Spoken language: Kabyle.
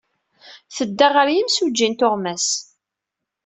Tedda ɣer yimsujji n tuɣmas.